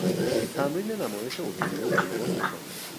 تمرین نمایش اوتللو با لباس کامل